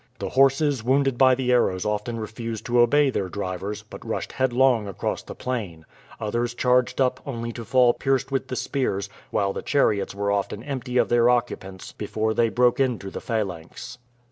The horses wounded by the arrows often refused to obey their drivers, but rushed headlong across the plain; others charged up only to fall pierced with the spears, while the chariots were often empty of their occupants before they broke into the phalanx.